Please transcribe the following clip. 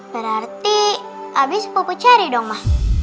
berarti abi sepupu ceri dong ma